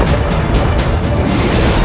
dan saya akan menyerah